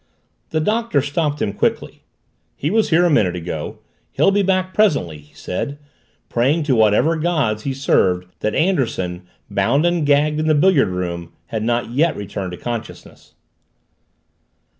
The Doctor stopped him quickly. "He was here a minute ago he'll be back presently," he said, praying to whatever gods he served that Anderson, bound and gagged in the billiard room, had not yet returned to consciousness.